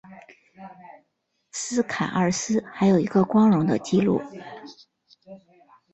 斯凯尔斯还有一个光荣的记录。